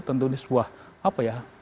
tentu ini sebuah apa ya